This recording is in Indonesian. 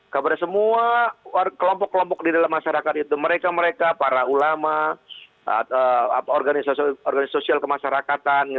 kepada semua kelompok kelompok di dalam masyarakat itu mereka mereka para ulama organisasi sosial kemasyarakatan